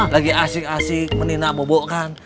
lagi asik asik meninak bobokkan